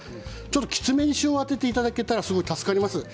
きつめに塩をあてていただけると助かります。